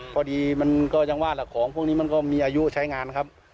พอดีมันก็ยังว่าล่ะของพวกนี้มันก็มีอายุใช้งานครับ